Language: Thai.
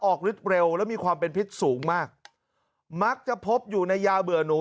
ฤทธิเร็วและมีความเป็นพิษสูงมากมักจะพบอยู่ในยาเบื่อหนู